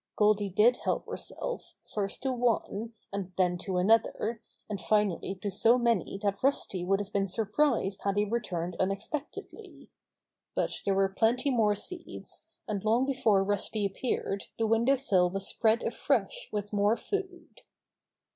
j Goldy did help herself, first to one, and then to another, and finally to so many that Rusty would have been surprised had he re turned unexpectedly. But there were plenty more seeds, and long before Rusty appeared the window sill was spread afresh with more food.